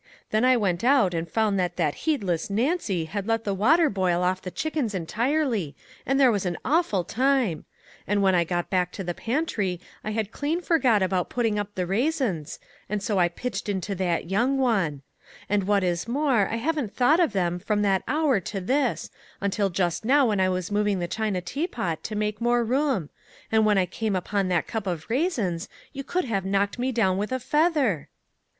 Then I went out and found that that heedless Nancy had let the water boil off the chickens entirely, and there was an awful time ! And when I got back to the pantry I had clean forgot about putting up the raisins, and so I pitched into that young one. And, what is more, I haven't thought of them from that hour to this, until just now when I was moving the china teapot to make more room; and when I come upon that cup of raisins you could have knocked me down with a feather